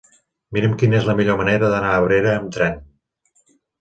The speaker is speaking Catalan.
Mira'm quina és la millor manera d'anar a Abrera amb tren.